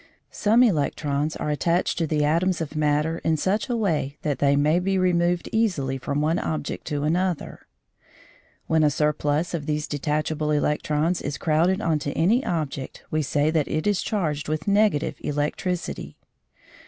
Some electrons are attached to the atoms of matter in such a way that they may be removed easily from one object to another. When a surplus of these detachable electrons is crowded on to any object, we say that it is charged with negative electricity.